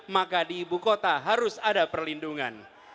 maka di ibu kota harus ada perlindungan